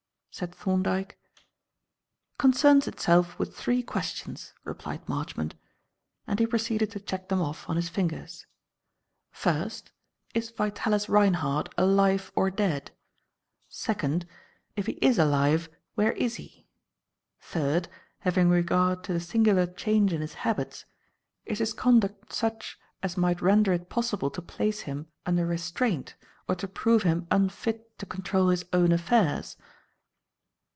said Thorndyke. "Concerns itself with three questions," replied Marchmont, and he proceeded to check them off on his fingers. "First, is Vitalis Reinhardt alive or dead? Second, if he is alive, where is he? Third, having regard to the singular change in his habits, is his conduct such as might render it possible to place him under restraint or to prove him unfit to control his own affairs?"